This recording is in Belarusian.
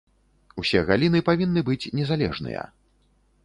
Усе галіны павінны быць незалежныя.